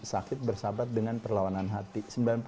sakit bersahabat dengan perlawanan hati